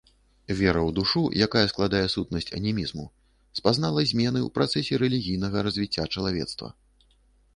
Вера ў душу, якая складае сутнасць анімізму, спазнала змены ў працэсе рэлігійнага развіцця чалавецтва.